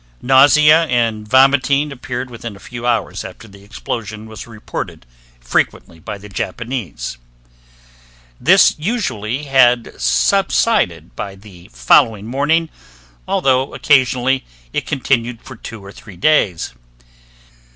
Nausea and vomiting appearing within a few hours after the explosion was reported frequently by the Japanese. This usually had subsided by the following morning, although occasionally it continued for two or three days.